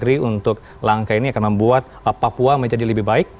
yang membuat papua menjadi lebih baik